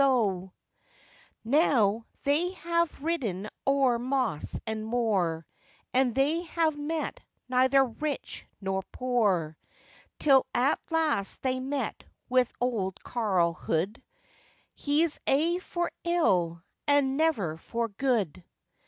Now they have ridden o'er moss and moor, And they have met neither rich nor poor; Till at last they met with old Carl Hood, He's aye for ill, and never for good.